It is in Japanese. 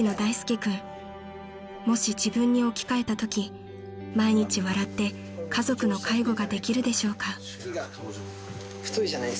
［もし自分に置き換えたとき毎日笑って家族の介護ができるでしょうか］